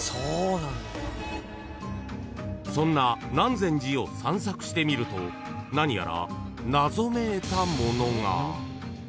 ［そんな南禅寺を散策してみると何やら謎めいたものが］